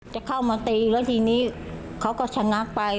จะเข้ามาตีแล้วทีนี้เขาก็ชะงักไป